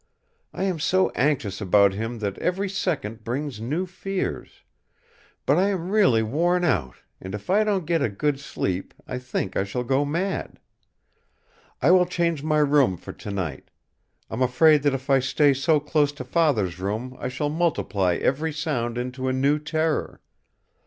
I am so anxious about him that every second brings new fears. But I am really worn out; and if I don't get a good sleep, I think I shall go mad. I will change my room for tonight. I'm afraid that if I stay so close to Father's room I shall multiply every sound into a new terror.